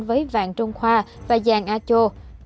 với vàng trông khoa và dàn a chô